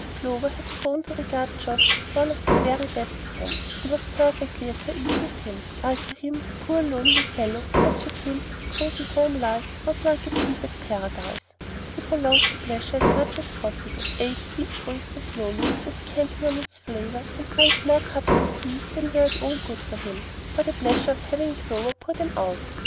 Clover had grown to regard Geoff as one of her very best friends, and was perfectly at her ease with him, while to him, poor lonely fellow, such a glimpse of cosey home life was like a peep at Paradise. He prolonged the pleasure as much as possible, ate each oyster slowly, descanting on its flavor, and drank more cups of tea than were at all good for him, for the pleasure of having Clover pour them out.